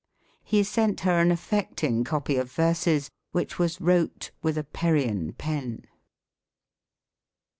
" He sent her an affecting copy of verses, which was wrote with a Perryian pen."